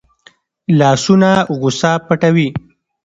لاسونه غصه پټوي